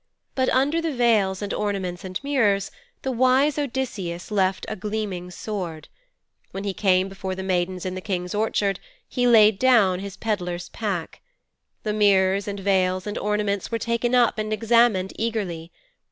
But under the veils and ornaments and mirrors the wise Odysseus left a gleaming sword. When he came before the maidens in the King's orchard he laid down his peddler's pack. The mirrors and veils and ornaments were taken up and examined eagerly.